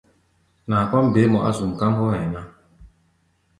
Naa kɔ́ʼm beé mɔ á zuʼm, káʼm hɔ́ hɛ̧ɛ̧ ná.